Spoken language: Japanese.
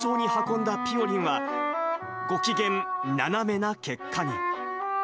スタッフが慎重に運んだぴよりんは、ご機嫌斜めな結果に。